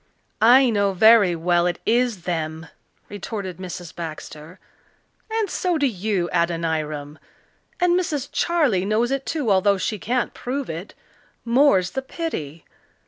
"I know very well it is them," retorted Mrs. Baxter, "and so do you, Adoniram. And Mrs. Charley knows it too, although she can't prove it more's the pity!